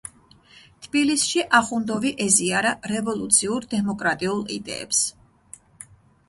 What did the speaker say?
თბილისში ახუნდოვი ეზიარა რევოლუციურ დემოკრატიულ იდეებს.